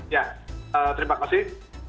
ya terima kasih